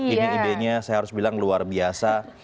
ini idenya saya harus bilang luar biasa